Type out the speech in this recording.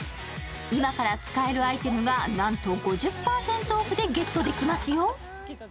今から使えるアイテムがなんと５０％オフでゲットできますよ。